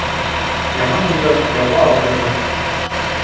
Яман юлдаш яуға алдырыр